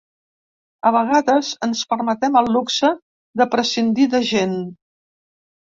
A vegades ens permetem el luxe de prescindir de gent.